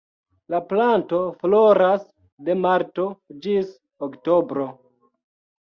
La planto floras de marto ĝis oktobro.